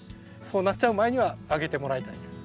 そうなっちゃう前にはあげてもらいたいです。